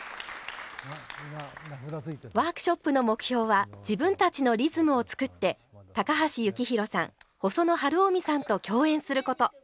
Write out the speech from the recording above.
ワークショップの目標は自分たちのリズムを作って高橋幸宏さん細野晴臣さんと共演すること。